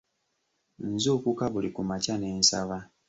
Nzuukuka buli ku makya ne nsaba.